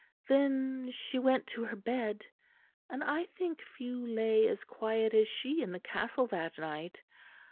Then she went to her bed; and I think few lay as quiet as she in the castle that night.